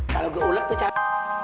kalau gue ulek tuh cak